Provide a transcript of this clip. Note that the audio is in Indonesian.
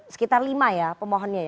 sekitar lima ya pemohonnya ya